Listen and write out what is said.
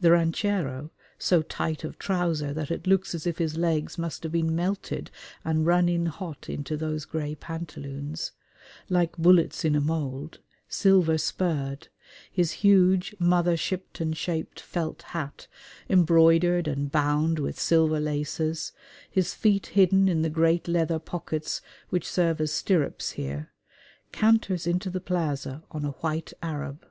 The ranchero so tight of trouser that it looks as if his legs must have been melted and run in hot into those grey pantaloons, like bullets in a mould silver spurred, his huge Mother Shipton shaped felt hat embroidered and bound with silver laces, his feet hidden in the great leather pockets which serve as stirrups here, canters into the plaza on a white Arab.